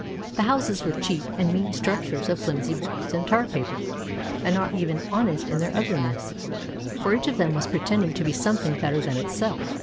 The houses were cheap and mean structures of flimsy boards and tar paper, and not even honest in their ugliness, for each of them was pretending to be something better than itself.